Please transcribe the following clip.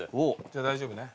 じゃあ大丈夫ね。